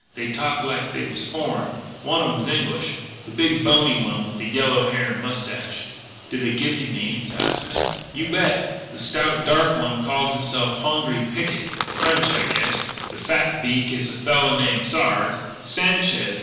They talk like they was foreign. One of 'em's English the big, bony one with yellow hair and mustache." "Did they give any names?" asked Smith. "You bet. The stout, dark man calls himself Hongri Picket. French, I guess. The fat beak is a fella named Sard.